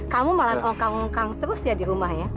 kamu malah ongkang ongkang terus ya di rumah ya